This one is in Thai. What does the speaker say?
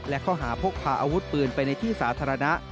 และข้อหาพกพาอาวุธปืนไปในที่สาธารณะ